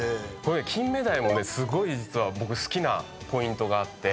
キンメダイもねすごい実は僕好きなポイントがあって。